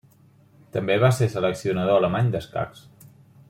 També va ser seleccionador alemany d'escacs.